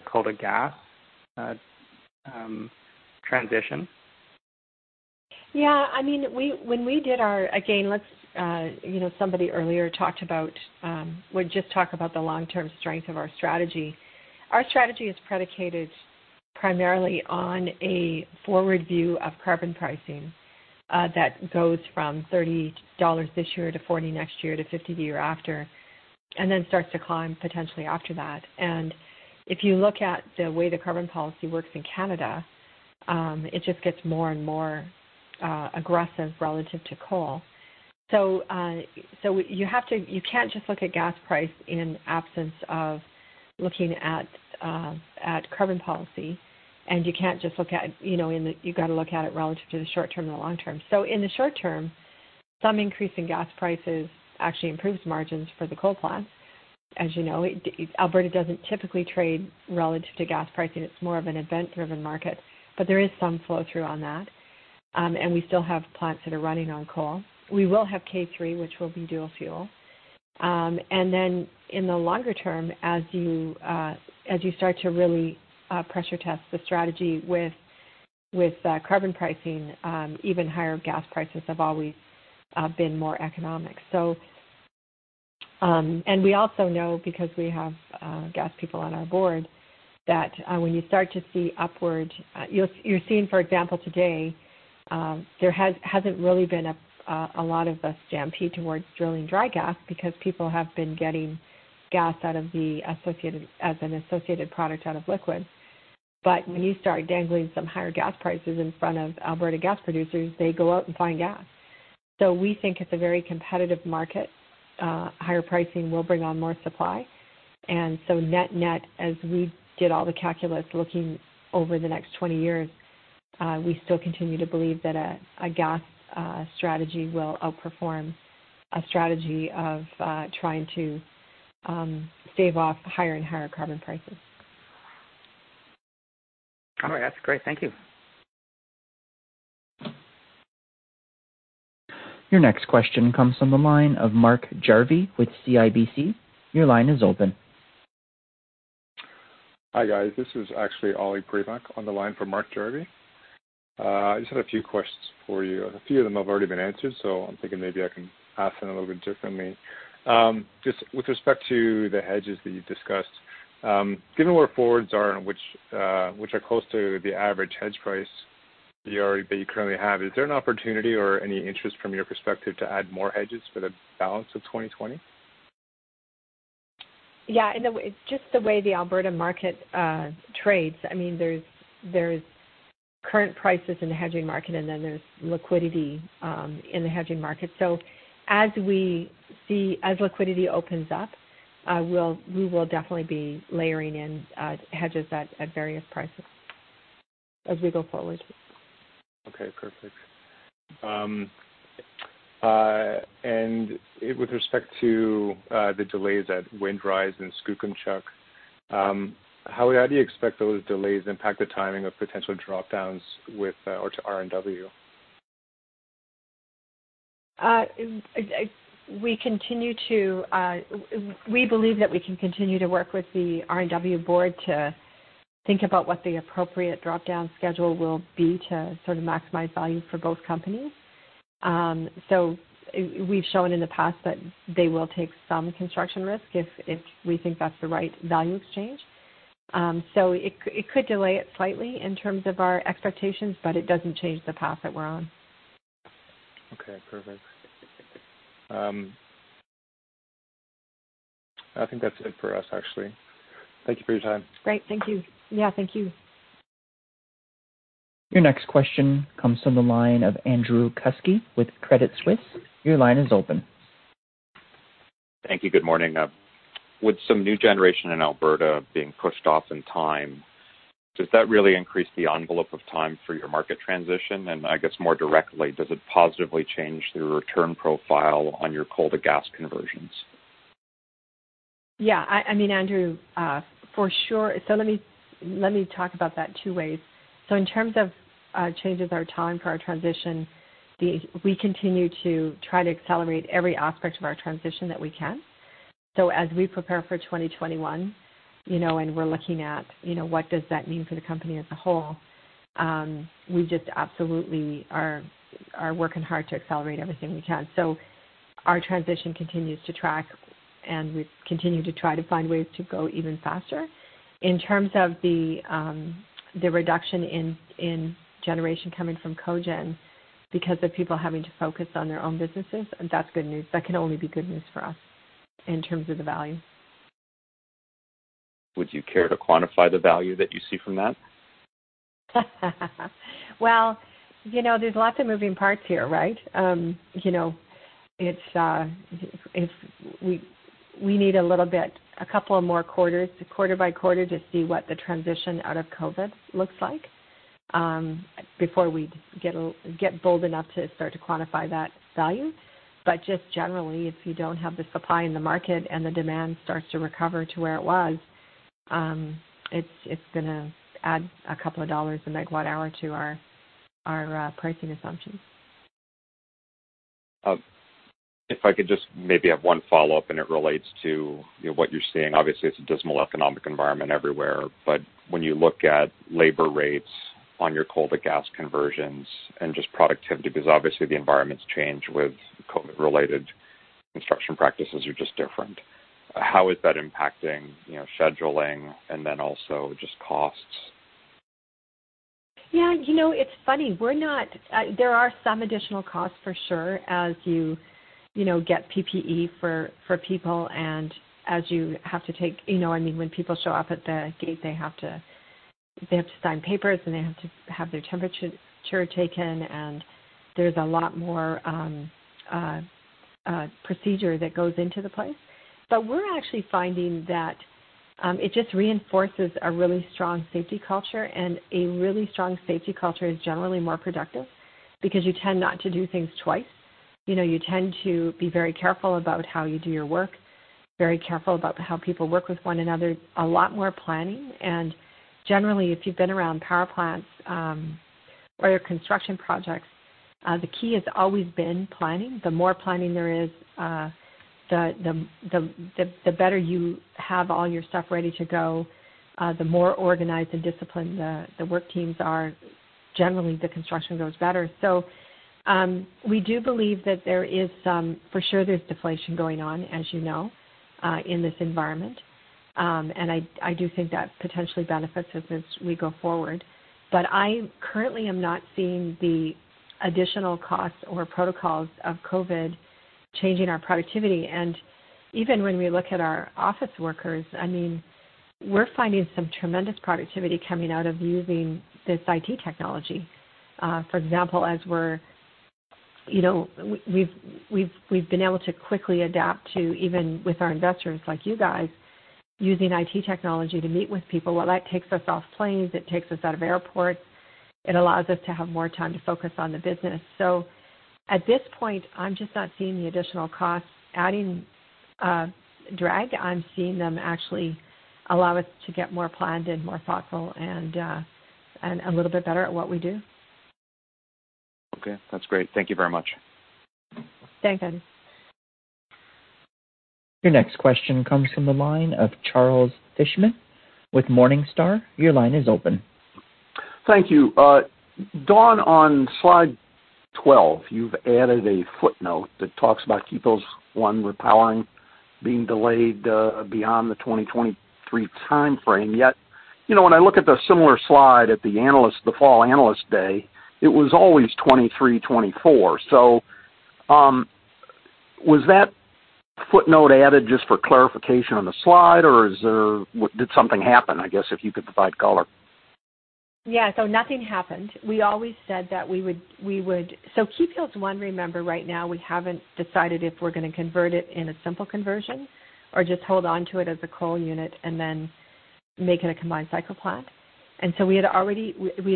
called a gas transition. Somebody earlier would just talk about the long-term strength of our strategy. Our strategy is predicated primarily on a forward view of carbon pricing, that goes from 30 dollars this year to 40 next year to 50 the year after, and then starts to climb potentially after that. If you look at the way the carbon policy works in Canada, it just gets more and more aggressive relative to coal. You can't just look at gas price in absence of looking at carbon policy. You've got to look at it relative to the short term and the long term. In the short term, some increase in gas prices actually improves margins for the coal plants. As you know, Alberta doesn't typically trade relative to gas pricing. It's more of an event-driven market, but there is some flow-through on that. We still have plants that are running on coal. We will have K3, which will be dual fuel. In the longer term, as you start to really pressure test the strategy with carbon pricing, even higher gas prices have always been more economic. We also know, because we have gas people on our board, that when you start to see upward. You're seeing, for example, today, there hasn't really been a lot of a stampede towards drilling dry gas because people have been getting gas as an associated product out of liquids. When you start dangling some higher gas prices in front of Alberta gas producers, they go out and find gas. We think it's a very competitive market. Higher pricing will bring on more supply. Net-net, as we did all the calculus looking over the next 20 years, we still continue to believe that a gas strategy will outperform a strategy of trying to stave off higher and higher carbon prices. All right, that's great. Thank you. Your next question comes from the line of Mark Jarvi with CIBC. Your line is open. Hi, guys. This is actually Ollie Premack on the line for Mark Jarvi. I just had a few questions for you. A few of them have already been answered, so I'm thinking maybe I can ask them a little bit differently. Just with respect to the hedges that you discussed, given where forwards are and which are close to the average hedge price that you currently have, is there an opportunity or any interest from your perspective to add more hedges for the balance of 2020? Yeah, it's just the way the Alberta market trades. There's current prices in the hedging market, and then there's liquidity in the hedging market. As liquidity opens up, we will definitely be layering in hedges at various prices as we go forward. Okay, perfect. With respect to the delays at Windrise and Skookumchuck, how do you expect those delays impact the timing of potential drop-downs to RNW? We believe that we can continue to work with the RNW board to think about what the appropriate drop-down schedule will be to sort of maximize value for both companies. We've shown in the past that they will take some construction risk if we think that's the right value exchange. It could delay it slightly in terms of our expectations, but it doesn't change the path that we're on. Okay, perfect. I think that's it for us, actually. Thank you for your time. Great. Thank you. Yeah, thank you. Your next question comes from the line of Andrew Kusky with Credit Suisse. Your line is open. Thank you. Good morning. With some new generation in Alberta being pushed off in time, does that really increase the envelope of time for your market transition? I guess more directly, does it positively change the return profile on your coal-to-gas conversions? Yeah. Andrew, for sure. Let me talk about that two ways. In terms of changes our time for our transition, we continue to try to accelerate every aspect of our transition that we can. As we prepare for 2021, and we're looking at what does that mean for the company as a whole? We just absolutely are working hard to accelerate everything we can. Our transition continues to track, and we continue to try to find ways to go even faster. In terms of the reduction in generation coming from cogen because of people having to focus on their own businesses, that's good news. That can only be good news for us in terms of the value. Would you care to quantify the value that you see from that? Well, there's lots of moving parts here, right? We need a couple of more quarters, quarter by quarter, to see what the transition out of COVID looks like, before we get bold enough to start to quantify that value. Generally, if you don't have the supply in the market and the demand starts to recover to where it was, it's going to add a couple of CAD a megawatt hour to our pricing assumptions. If I could just maybe have one follow-up. It relates to what you're seeing. Obviously, it's a dismal economic environment everywhere. When you look at labor rates on your coal-to-gas conversions and just productivity, because obviously the environment's changed with COVID-related construction practices are just different. How is that impacting scheduling and then also just costs? Yeah. It's funny. There are some additional costs for sure as you get PPE for people and as you have to take When people show up at the gate, they have to sign papers, and they have to have their temperature taken, and there's a lot more procedure that goes into the place. We're actually finding that it just reinforces a really strong safety culture, and a really strong safety culture is generally more productive because you tend not to do things twice. You tend to be very careful about how you do your work, very careful about how people work with one another, a lot more planning. Generally, if you've been around power plants, or construction projects, the key has always been planning. The more planning there is, the better you have all your stuff ready to go. The more organized and disciplined the work teams are, generally, the construction goes better. We do believe that there is some For sure, there's deflation going on, as you know, in this environment. I do think that potentially benefits us as we go forward. I currently am not seeing the additional costs or protocols of COVID changing our productivity. Even when we look at our office workers, we're finding some tremendous productivity coming out of using this IT technology. For example, we've been able to quickly adapt to, even with our investors like you guys, using IT technology to meet with people. That takes us off planes. It takes us out of airports. It allows us to have more time to focus on the business. At this point, I'm just not seeing the additional costs adding drag. I'm seeing them actually allow us to get more planned and more thoughtful and a little bit better at what we do. Okay, that's great. Thank you very much. Thanks, Andrew. Your next question comes from the line of Charles Fishman with Morningstar. Your line is open. Thank you. Dawn, on slide 12, you've added a footnote that talks about Keephills 1 repowering being delayed beyond the 2023 timeframe. When I look at the similar slide at the fall analyst day, it was always 2023, 2024. Was that footnote added just for clarification on the slide, or did something happen, I guess, if you could provide color? Yeah. Nothing happened. We always said that we would Keephills 1, remember right now, we haven't decided if we're going to convert it in a simple conversion or just hold onto it as a coal unit and then make it a combined cycle plant. We'd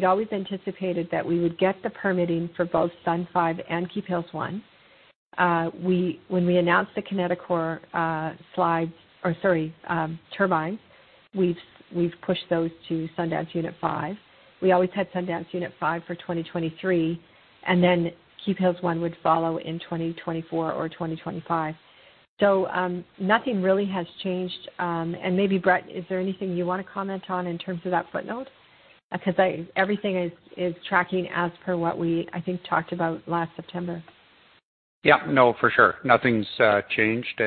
always anticipated that we would get the permitting for both Sundance 5 and Keephills 1. When we announced the Kineticor turbines, we've pushed those to Sundance Unit 5. We always had Sundance Unit 5 for 2023, and then Keephills 1 would follow in 2024 or 2025. Nothing really has changed. Maybe, Brett, is there anything you want to comment on in terms of that footnote? Everything is tracking as per what we, I think, talked about last September. Yeah, no, for sure. Nothing's changed.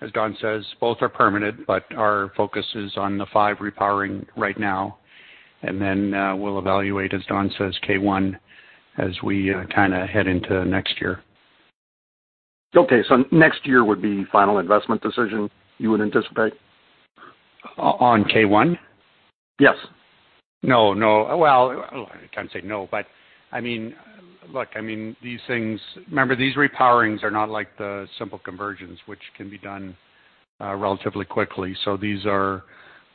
As Dawn says, both are permitted, but our focus is on the five repowering right now. We'll evaluate, as Dawn says, K1 as we head into next year. Okay. Next year would be final investment decision, you would anticipate? On K1? Yes. No. Well, I can't say no, but look, remember, these repowerings are not like the simple conversions, which can be done relatively quickly. These are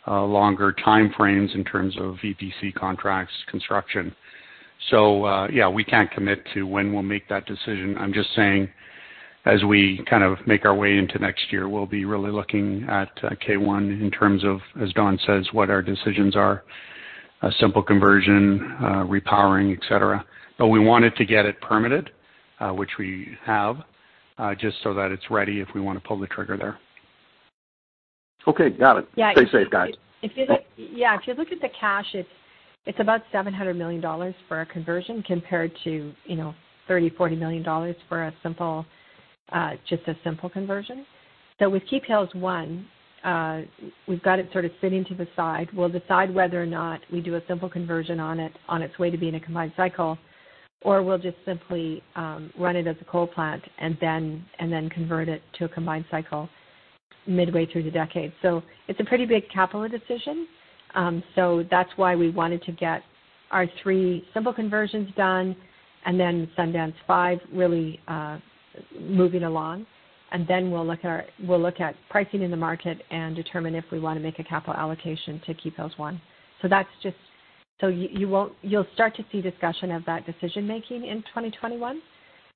longer time frames in terms of EPC contracts construction. Yeah, we can't commit to when we'll make that decision. I'm just saying as we make our way into next year, we'll be really looking at K1 in terms of, as Dawn says, what our decisions are, a simple conversion, repowering, et cetera. We wanted to get it permitted, which we have, just so that it's ready if we want to pull the trigger there. Okay. Got it. Yeah. Stay safe, guys. If you look at the cash, it's about 700 million dollars for a conversion compared to 30 million-40 million dollars for just a simple conversion. With Keephills 1, we've got it sort of sitting to the side. We'll decide whether or not we do a simple conversion on its way to being a combined cycle, or we'll just simply run it as a coal plant and then convert it to a combined cycle midway through the decade. It's a pretty big capital decision. That's why we wanted to get our three simple conversions done, and then Sundance 5 really moving along, and then we'll look at pricing in the market and determine if we want to make a capital allocation to Keephills 1. You'll start to see discussion of that decision-making in 2021.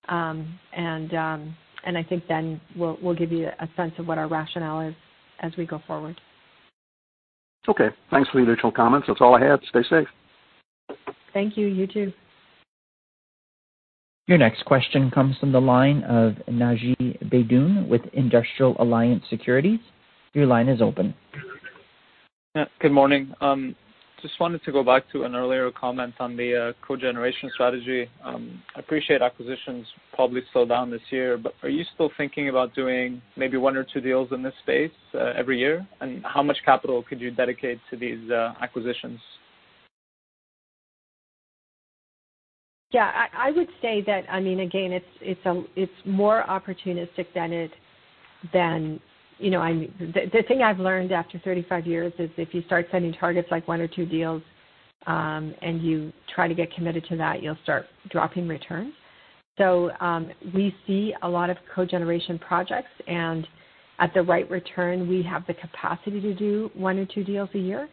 I think then we'll give you a sense of what our rationale is as we go forward. Okay. Thanks for the initial comments. That's all I had. Stay safe. Thank you. You too. Your next question comes from the line of Naji Baydoun with Industrial Alliance Securities. Your line is open. Yeah. Good morning. Just wanted to go back to an earlier comment on the cogeneration strategy. I appreciate acquisitions probably slow down this year. Are you still thinking about doing maybe one or two deals in this space every year? How much capital could you dedicate to these acquisitions? I would say that, again, it's more opportunistic. The thing I've learned after 35 years is if you start setting targets, like one or two deals, and you try to get committed to that, you'll start dropping returns. We see a lot of cogeneration projects, and at the right return, we have the capacity to do one or two deals a year.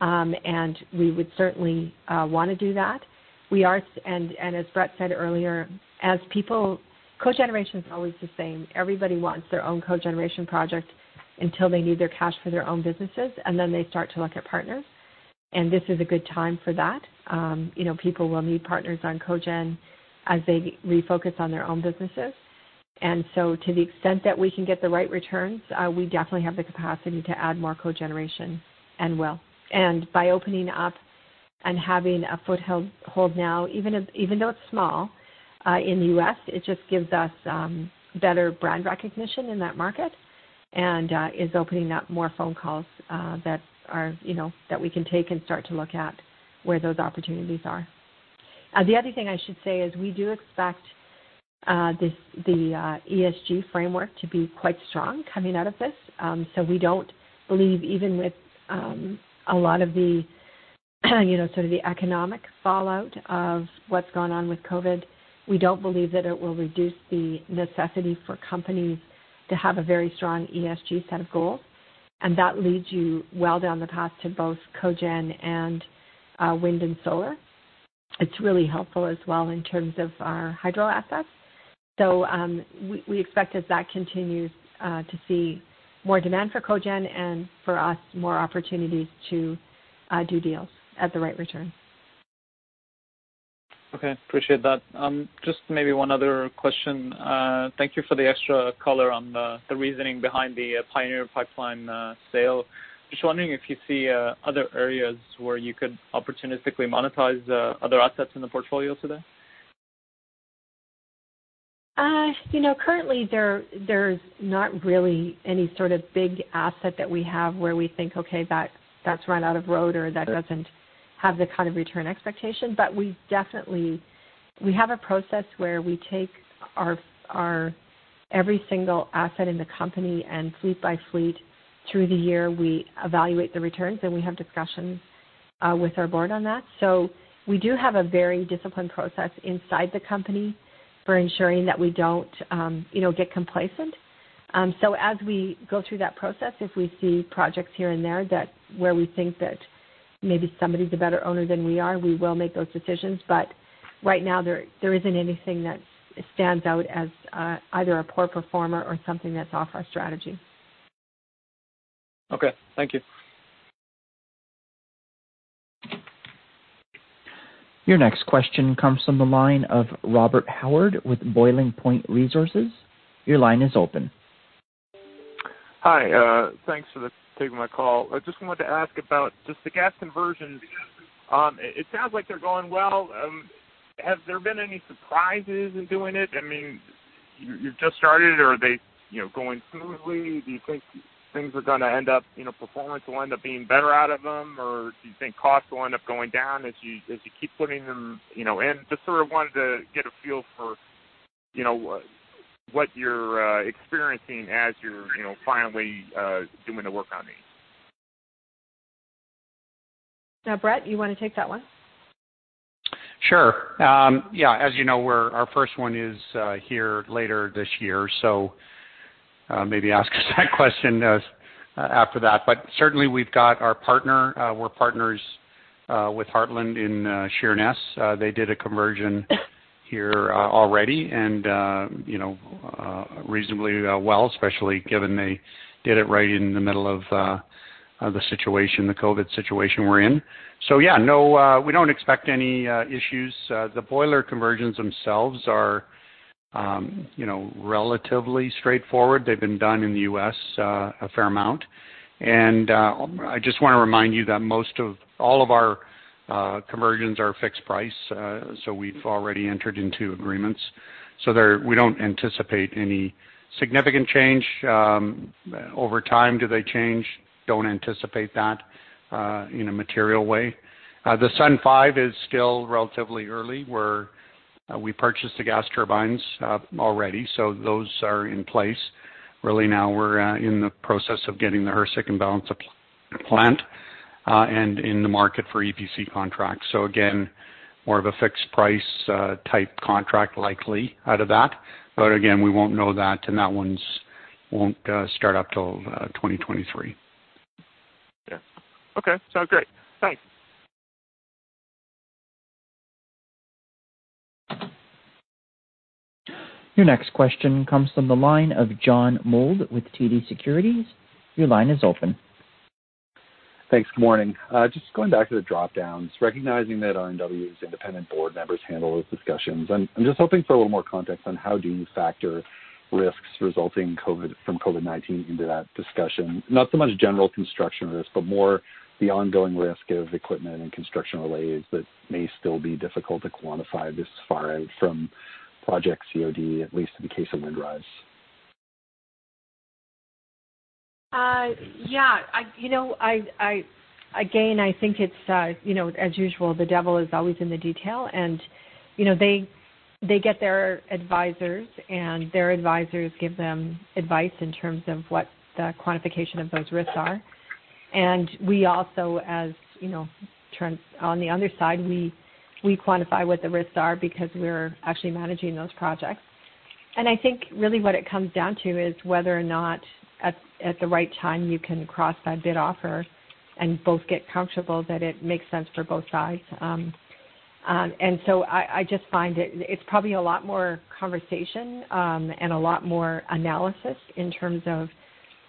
We would certainly want to do that. As Brett said earlier, cogeneration is always the same. Everybody wants their own cogeneration project until they need their cash for their own businesses, and then they start to look at partners. This is a good time for that. People will need partners on cogen as they refocus on their own businesses. To the extent that we can get the right returns, we definitely have the capacity to add more cogeneration, and will. By opening up and having a foothold now, even though it's small, in the U.S., it just gives us better brand recognition in that market and is opening up more phone calls that we can take and start to look at where those opportunities are. The other thing I should say is we do expect the ESG framework to be quite strong coming out of this. We don't believe even with a lot of the economic fallout of what's gone on with COVID-19, we don't believe that it will reduce the necessity for companies to have a very strong ESG set of goals. That leads you well down the path to both cogen and wind and solar. It's really helpful as well in terms of our hydro assets. We expect as that continues to see more demand for cogen and for us, more opportunities to do deals at the right return. Okay. Appreciate that. Just maybe one other question. Thank you for the extra color on the reasoning behind the Pioneer Pipeline sale. Just wondering if you see other areas where you could opportunistically monetize other assets in the portfolio today. Currently, there's not really any sort of big asset that we have where we think, okay, that's run out of road or that doesn't have the kind of return expectation. We have a process where we take every single asset in the company and fleet by fleet through the year, we evaluate the returns, and we have discussions with our board on that. We do have a very disciplined process inside the company for ensuring that we don't get complacent. As we go through that process, if we see projects here and there where we think that maybe somebody's a better owner than we are, we will make those decisions. Right now, there isn't anything that stands out as either a poor performer or something that's off our strategy. Okay. Thank you. Your next question comes from the line of Robert Howard with Boiling Point Resources. Your line is open. Hi. Thanks for taking my call. I just wanted to ask about just the gas conversions. It sounds like they're going well. Has there been any surprises in doing it? You've just started. Are they going smoothly? Do you think performance will end up being better out of them, or do you think costs will end up going down as you keep putting them in? Just sort of wanted to get a feel for what you're experiencing as you're finally doing the work on these. Now, Brett, you want to take that one? Sure. Yeah. As you know, our first one is here later this year, maybe ask us that question after that. Certainly we've got our partner. We're partners with Heartland in Sheerness. They did a conversion here already and reasonably well, especially given they did it right in the middle of the COVID-19 situation we're in. Yeah, no, we don't expect any issues. The boiler conversions themselves are relatively straightforward. They've been done in the U.S. a fair amount. I just want to remind you that most of all of our conversions are fixed price. We've already entered into agreements. There, we don't anticipate any significant change. Over time, do they change? Don't anticipate that in a material way. The Sundance 5 is still relatively early, where we purchased the gas turbines already. Those are in place. Really now we're in the process of getting the HRSG and balance of plant, and in the market for EPC contracts. Again, more of a fixed price type contract likely out of that. Again, we won't know that, and that one won't start up till 2023. Yeah. Okay, sounds great. Thanks. Your next question comes from the line of John Mould with TD Securities. Your line is open. Thanks. Good morning. Just going back to the drop-downs, recognizing that RNW's independent board members handle those discussions, I'm just hoping for a little more context on how do you factor risks resulting from COVID-19 into that discussion? Not so much general construction risk, but more the ongoing risk of equipment and construction delays that may still be difficult to quantify this far out from project COD, at least in the case of Windrise. Yeah. I think it's, as usual, the devil is always in the detail. They get their advisors, and their advisors give them advice in terms of what the quantification of those risks are. We also, as you know, on the other side, we quantify what the risks are because we're actually managing those projects. I think really what it comes down to is whether or not at the right time you can cross that bid offer and both get comfortable that it makes sense for both sides. I just find it's probably a lot more conversation, and a lot more analysis in terms of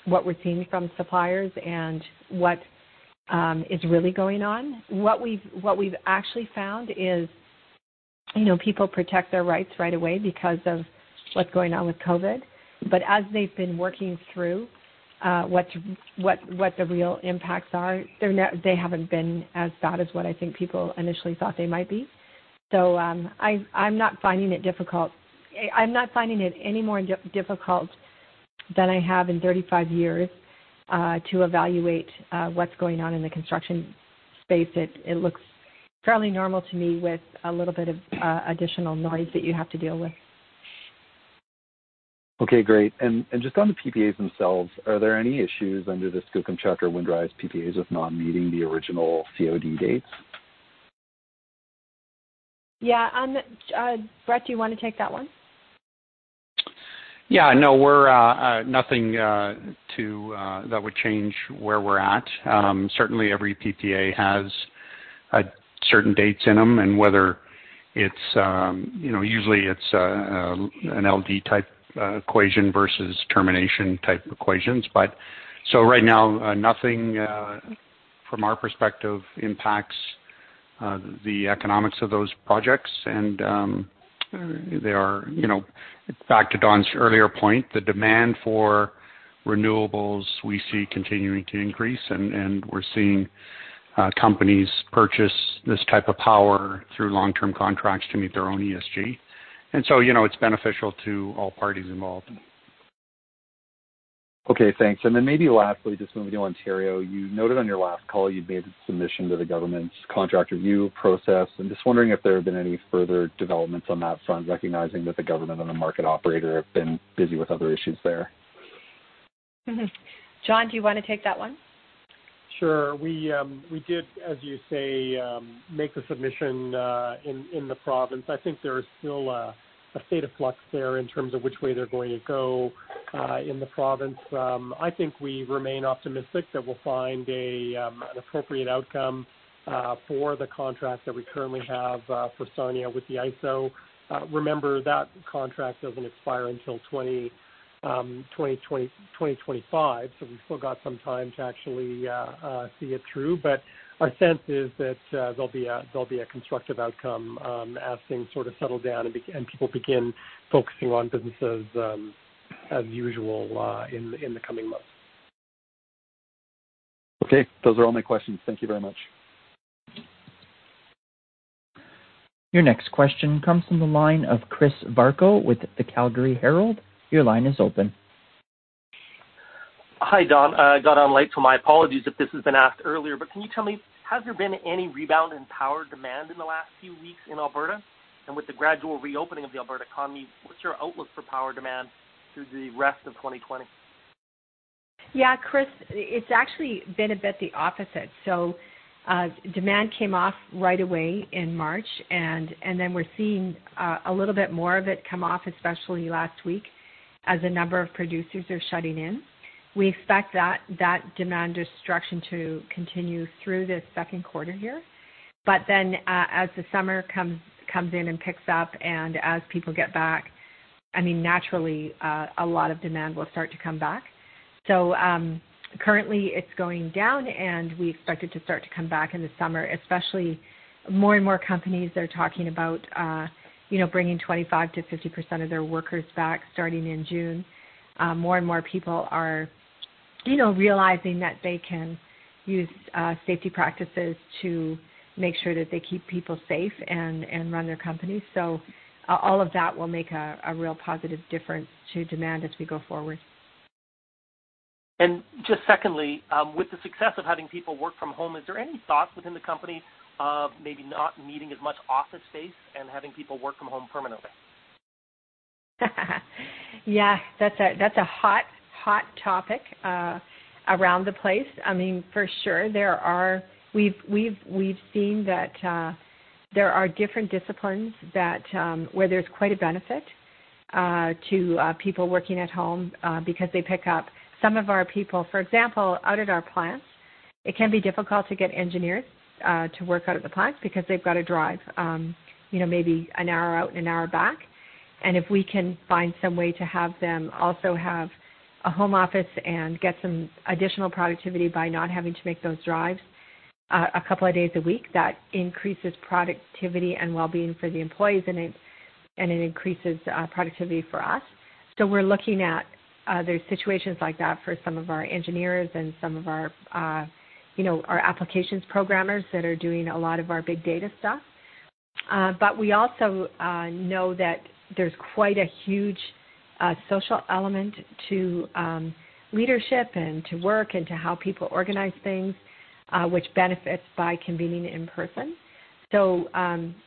what we're seeing from suppliers and what is really going on. We've actually found is people protect their rights right away because of what's going on with COVID-19. As they've been working through what the real impacts are, they haven't been as bad as what I think people initially thought they might be. I'm not finding it any more difficult than I have in 35 years, to evaluate what's going on in the construction space. It looks fairly normal to me with a little bit of additional noise that you have to deal with. Okay, great. Just on the PPAs themselves, are there any issues under the Skookumchuck or Windrise PPAs with not meeting the original COD dates? Yeah. Brett, do you want to take that one? Yeah, no. Nothing that would change where we're at. Certainly every PPA has certain dates in them, and usually it's an LD type equation versus termination type equations. Right now, nothing from our perspective impacts the economics of those projects. Back to Dawn's earlier point, the demand for renewables, we see continuing to increase, and we're seeing companies purchase this type of power through long-term contracts to meet their own ESG. It's beneficial to all parties involved. Okay, thanks. Then maybe lastly, just moving to Ontario, you noted on your last call you'd made a submission to the government's contract review process, and just wondering if there have been any further developments on that front, recognizing that the government and the market operator have been busy with other issues there. John, do you want to take that one? Sure. We did, as you say, make the submission in the province. I think there is still a state of flux there in terms of which way they're going to go, in the province. I think we remain optimistic that we'll find an appropriate outcome for the contract that we currently have for Sarnia with the IESO. Remember, that contract doesn't expire until 2025, we've still got some time to actually see it through. Our sense is that there'll be a constructive outcome, as things sort of settle down and people begin focusing on businesses as usual in the coming months. Okay. Those are all my questions. Thank you very much. Your next question comes from the line of Chris Varcoe with the Calgary Herald. Your line is open. Hi, Dawn. I got on late, so my apologies if this has been asked earlier. Can you tell me, has there been any rebound in power demand in the last few weeks in Alberta? With the gradual reopening of the Alberta economy, what's your outlook for power demand through the rest of 2020? Yeah, Chris, it's actually been a bit the opposite. Demand came off right away in March, and then we're seeing a little bit more of it come off, especially last week, as a number of producers are shutting in. We expect that demand destruction to continue through the second quarter here. As the summer comes in and picks up and as people get back, naturally, a lot of demand will start to come back. Currently it's going down, and we expect it to start to come back in the summer, especially more and more companies are talking about bringing 25% to 50% of their workers back starting in June. More and more people are realizing that they can use safety practices to make sure that they keep people safe and run their companies. All of that will make a real positive difference to demand as we go forward. Just secondly, with the success of having people work from home, is there any thought within the company of maybe not needing as much office space and having people work from home permanently? Yeah, that's a hot topic around the place. For sure, we've seen that there are different disciplines where there's quite a benefit to people working at home because they pick up. Some of our people, for example, out at our plants, it can be difficult to get engineers to work out at the plants because they've got to drive maybe an hour out and an hour back. If we can find some way to have them also have a home office and get some additional productivity by not having to make those drives a couple of days a week, that increases productivity and wellbeing for the employees, and it increases productivity for us. We're looking at those situations like that for some of our engineers and some of our applications programmers that are doing a lot of our big data stuff. We also know that there's quite a huge social element to leadership and to work and to how people organize things, which benefits by convening in person.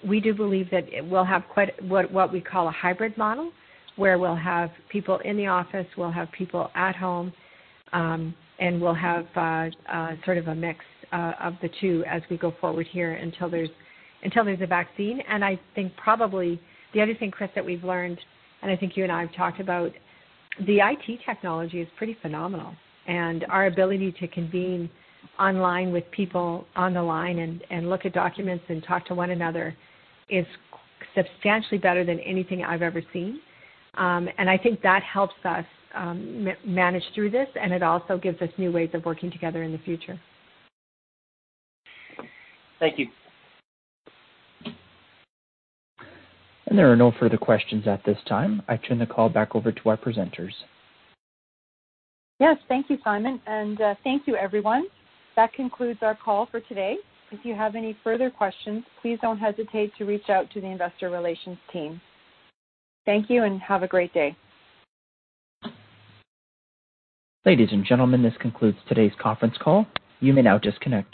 We do believe that we'll have what we call a hybrid model, where we'll have people in the office, we'll have people at home, and we'll have sort of a mix of the two as we go forward here until there's a vaccine. I think probably the other thing, Chris, that we've learned, and I think you and I have talked about, the IT technology is pretty phenomenal. Our ability to convene online with people on the line and look at documents and talk to one another is substantially better than anything I've ever seen. I think that helps us manage through this, and it also gives us new ways of working together in the future. Thank you. There are no further questions at this time. I turn the call back over to our presenters. Yes. Thank you, Simon, and thank you, everyone. That concludes our call for today. If you have any further questions, please don't hesitate to reach out to the investor relations team. Thank you, and have a great day. Ladies and gentlemen, this concludes today's conference call. You may now disconnect.